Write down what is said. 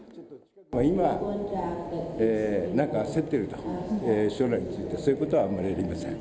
今、なんか焦ってると、将来について、そういうことはあんまりありません。